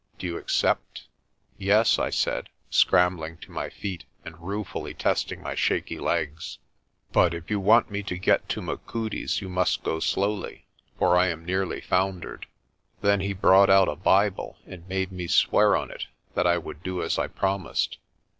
Do you accept? ' "Yes," I said, scrambling to my feet and ruefully testing my shaky legs. "But if you want me to get to Machudi's you must go slowly, for I am nearly foundered." Then he brought out a Bible and made me swear on it that I would do as I promised.